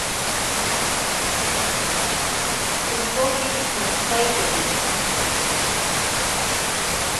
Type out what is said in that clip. Pimpoke shintsipaiteni.